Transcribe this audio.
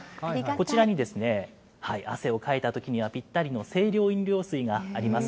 こちらに、汗をかいたときにはぴったりの清涼飲料水があります。